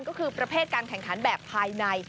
ก็คือประเภทการแข่งขันแบบภายใน